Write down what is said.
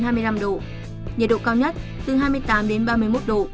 nhiệt độ cao nhất từ hai mươi tám đến ba mươi một độ